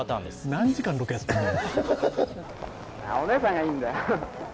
何時間ロケやってんの？